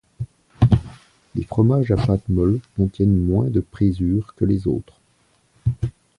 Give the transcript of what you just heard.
Les fromages à pâtes molles contiennent moins de présure que les autres.